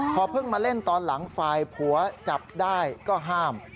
พอเพิ่งมาเล่นตอนหลังฝ่ายผัวจับได้ก็ห้าม